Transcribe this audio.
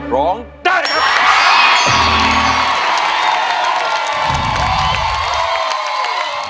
ร้องได้นะครับ